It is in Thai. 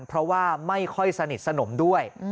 เพราะว่าไม่ค่อยสนิทสนมด้วย